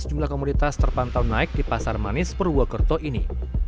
jumlah komoditas terpantau naik di pasar manis purwokerto ini